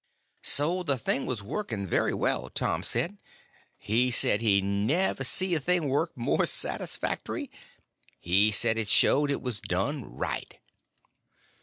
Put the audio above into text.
So the thing was working very well, Tom said; he said he never see a thing work more satisfactory. He said it showed it was done right.